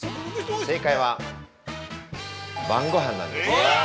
◆正解は、晩ごはんなんです。